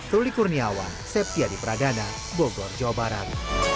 ruli kurniawan septiadi pradana bogor jawa barat